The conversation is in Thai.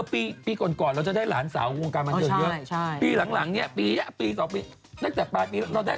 ปีปีก่อนก่อนเราจะได้หลานสาววงกามันเทียร์เยอะใช่